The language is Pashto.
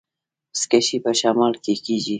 بزکشي په شمال کې کیږي